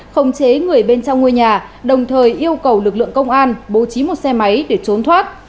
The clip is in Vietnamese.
không chế người bên trong ngôi nhà đồng thời yêu cầu lực lượng công an bố trí một xe máy để trốn thoát